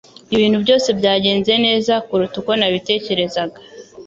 Ibintu byose byagenze neza kuruta uko nabitekerezaga